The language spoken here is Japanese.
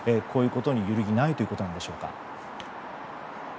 こういうことに揺るぎないということでしょうか。